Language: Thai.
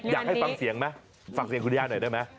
อยากให้ฟังเสียงไหมฟังเสียงคุณย่าหน่อยได้ไหม